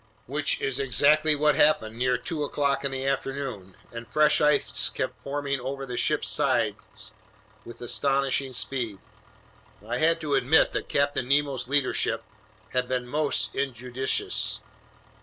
Which is exactly what happened near two o'clock in the afternoon, and fresh ice kept forming over the ship's sides with astonishing speed. I had to admit that Captain Nemo's leadership had been most injudicious.